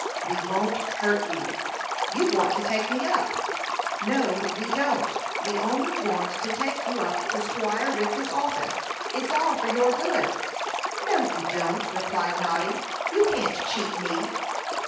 "We won't hurt you." "You want to take me up." "No, we don't; we only want to take you up to Squire Wriggs's office. It's all for your good." "No, you don't," replied Noddy. "You can't cheat me."